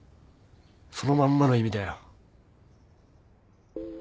そのまんまの意味だよ。